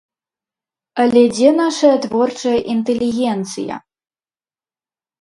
Але дзе нашая творчая інтэлігенцыя?